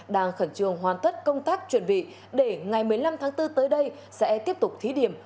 đang khẩn trương hoàn tất công tác chuẩn bị để ngày một mươi năm tháng bốn tới đây sẽ tiếp tục thí điểm